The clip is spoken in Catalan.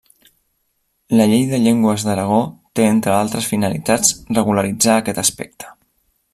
La llei de llengües d'Aragó té entre altres finalitats regularitzar aquest aspecte.